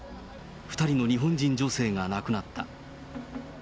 ２人の日本人女性が亡くなった。